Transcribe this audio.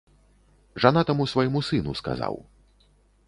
Жанатаму свайму сыну сказаў.